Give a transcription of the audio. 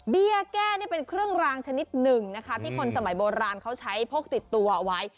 แก้นี่เป็นเครื่องรางชนิดหนึ่งนะคะที่คนสมัยโบราณเขาใช้พกติดตัวเอาไว้